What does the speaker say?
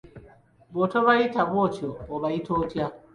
Bw'otobayita bw'otyo obayita otya?